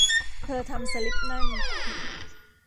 เธอทำสลิปนั่น